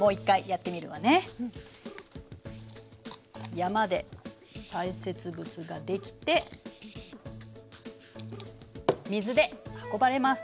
山で砕屑物ができて水で運ばれます。